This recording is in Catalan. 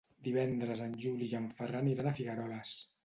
Divendres en Juli i en Ferran iran a Figueroles.